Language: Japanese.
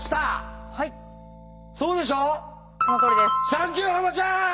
サンキューハマちゃん！